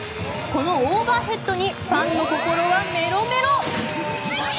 このオーバーヘッドにファンの心はメロメロ。